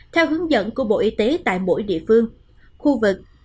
theo hướng dẫn của bộ y tế tại mỗi địa phương khu vực